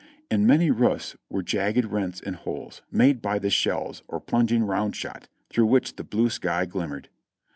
In many roofs were jagged rents and holes, made by the shells or plunging round shot, through which the blue sky glimmered.